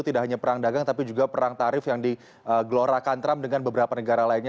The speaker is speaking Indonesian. tidak hanya perang dagang tapi juga perang tarif yang digelorakan trump dengan beberapa negara lainnya